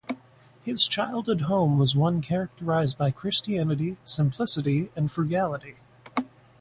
His childhood home was one characterized by Christianity, simplicity and frugality.